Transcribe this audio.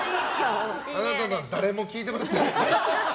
あなたのは誰も聞いてません。